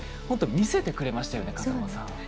本当に見せてくれましたよね風間さん。